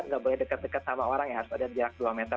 tidak boleh dekat dekat sama orang ya harus ada di rak dua meter